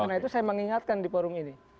saya ingin mengingatkan di forum ini